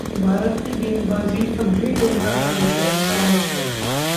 भारत की गेंदबाजी अब भी चिंता का विषय: गावस्कर